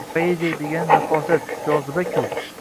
Poeziya degani nafosat, joziba-ku.